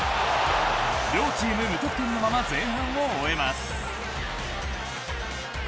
両チーム無得点のまま前半を終えます。